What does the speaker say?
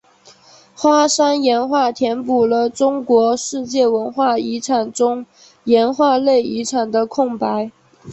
花山岩画填补了中国世界文化遗产中岩画类遗产的空白。